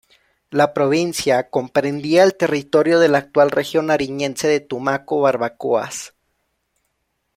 La provincia comprendía el territorio de la actual región nariñense de Tumaco-Barbacoas.